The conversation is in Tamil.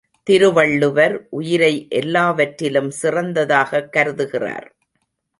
திருவள்ளுவர் உயிரை எல்லாவற்றிலும் சிறந்ததாகக் கருதுகிறார்.